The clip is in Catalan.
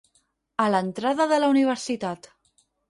A l'entrada de la universitat.